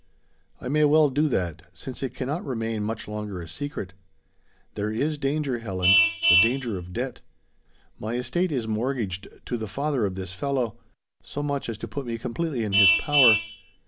"I may well do that, since it cannot remain much longer a secret. There is danger, Helen the danger of debt! My estate is mortgaged to the father of this fellow so much as to put me completely in his power.